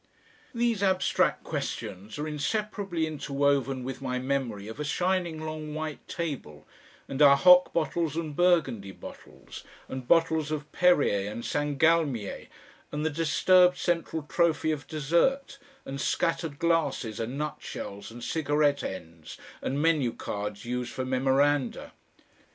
These abstract questions are inseparably interwoven with my memory of a shining long white table, and our hock bottles and burgundy bottles, and bottles of Perrier and St. Galmier and the disturbed central trophy of dessert, and scattered glasses and nut shells and cigarette ends and menu cards used for memoranda.